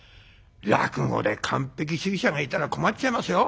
落語で完璧主義者がいたら困っちゃいますよ。